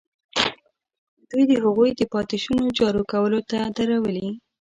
دوی د هغوی د پاتې شونو جارو کولو ته درولي.